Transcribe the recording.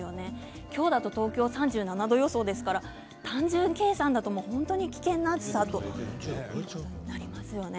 今日は東京３７度の予想ですが単純計算でも本当に危険な暑さになります。